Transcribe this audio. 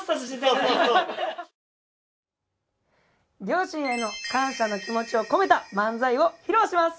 両親への感謝の気持ちを込めた漫才を披露します！